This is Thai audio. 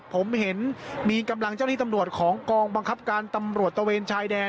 ผมเห็นมีกำลังเจ้าหน้าที่ตำรวจของกองบังคับการตำรวจตะเวนชายแดน